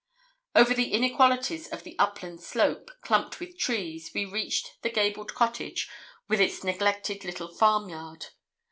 Over the inequalities of the upland slope, clumped with trees, we reached the gabled cottage, with its neglected little farm yard.